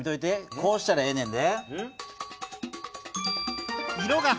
こうしたらええねんで。